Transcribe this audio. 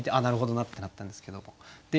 なるほどなってなったんですけども。